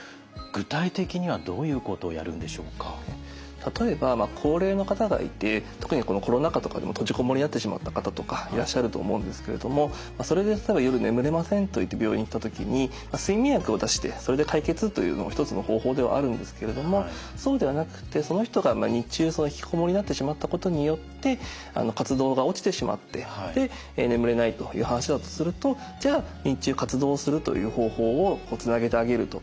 例えば高齢の方がいて特にこのコロナ禍とかでも閉じこもりになってしまった方とかいらっしゃると思うんですけれどもそれで「夜眠れません」と言って病院に行った時に睡眠薬を出してそれで解決というのも一つの方法ではあるんですけれどもそうではなくてその人が日中引きこもりになってしまったことによって活動が落ちてしまってで眠れないという話だとするとじゃあ日中活動するという方法をつなげてあげるとか